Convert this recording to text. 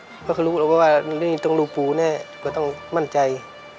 เพราะเขารู้แล้วว่านี่ต้องรูปปูแน่ก็ต้องมั่นใจ